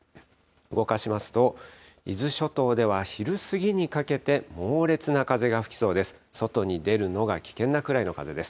動かしますと、伊豆諸島では昼過ぎにかけて猛烈な風が吹きそうです。